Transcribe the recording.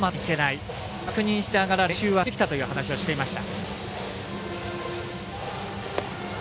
その辺り確認しながら練習はしてきたという話をしていました。